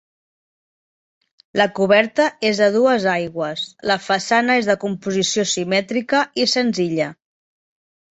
La coberta és a dues aigües, la façana és de composició simètrica i senzilla.